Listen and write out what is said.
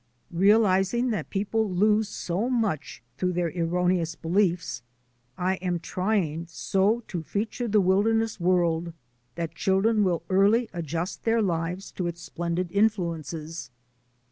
Realizing that people lose so much through their erroneous beliefs, I am trying so to feature the wilderness world that children will early adjust their lives to its splendid influences.